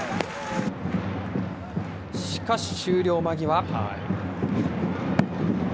しかし終了間際。